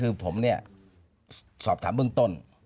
คือผมเนี่ยสอบถามเบื้องต้น